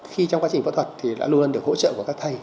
khi trong quá trình phẫu thuật thì đã luôn luôn được hỗ trợ của các thầy